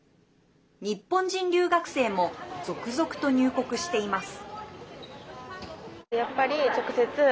日本人留学生も続々と入国しています。